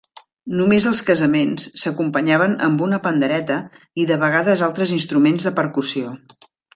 Només als casaments, s'acompanyaven amb una pandereta i de vegades altres instruments de percussió.